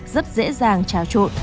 rất dễ dàng trà trộn